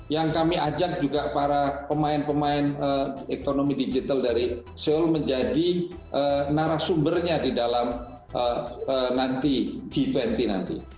yang kami ajak juga para pemain pemain ekonomi digital dari seoul menjadi narasumbernya di dalam nanti g dua puluh nanti